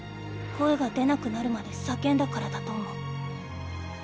声が出なくなるまで叫んだからだと思う。